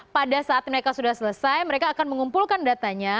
pada saat mereka sudah selesai mereka akan mengumpulkan datanya